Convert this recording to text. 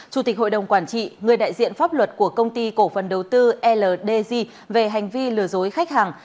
chủ tịch hội đồng quản trị người đại diện pháp luật của công ty cổ phần đầu tư ldg về hành vi lừa dối khách hàng